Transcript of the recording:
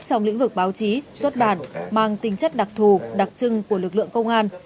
trong lĩnh vực báo chí xuất bản mang tính chất đặc thù đặc trưng của lực lượng công an